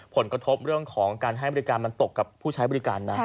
ผลกระทบเรื่องของการให้บริการมันตกกับผู้ใช้บริการนะ